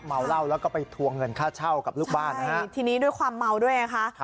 เมาเหล้าแล้วก็ไปทวงเงินค่าเช่ากับลูกบ้านนะฮะทีนี้ด้วยความเมาด้วยไงคะ